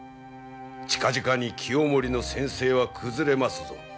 近々に清盛の専制は崩れますぞ。